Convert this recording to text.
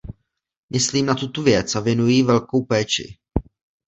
Myslím na tuto věc a věnuji jí velkou péči.